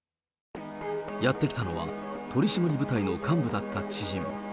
やって来たのは、取締り部隊の幹部だった知人。